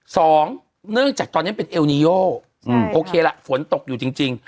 สองเนื่องจากตอนนี้เป็นเอลนิโยโอเคละฝนตกอยู่จริง